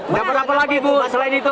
dapat apa lagi bu selain itu